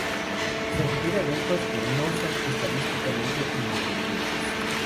Se refiere a eventos que no son estadísticamente independientes.